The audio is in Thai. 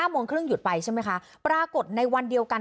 โมงครึ่งหยุดไปใช่ไหมคะปรากฏในวันเดียวกัน